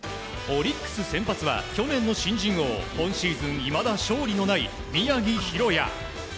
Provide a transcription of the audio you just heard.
オリンピック先発は去年の新人王今シーズンいまだ勝利のない宮城大弥。